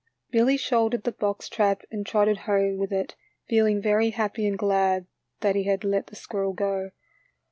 Billy shouldered the box trap and trotted home with it, feeling very happy and glad that he had let the squirrel go.